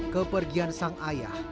kepergian sang ayah